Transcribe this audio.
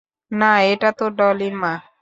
না, এটা তো ডলির মা।